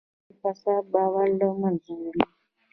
د محکمې فساد باور له منځه وړي.